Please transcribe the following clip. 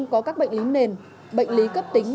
có các bệnh lý nền bệnh lý cấp tính